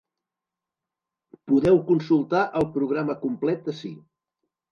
Podeu consultar el programa complet ací.